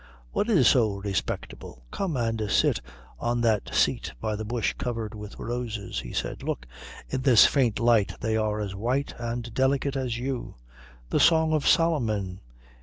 "What is so respectable? Come and sit on that seat by the bush covered with roses," he said. "Look in this faint light they are as white and delicate as you." "The Song of Solomon.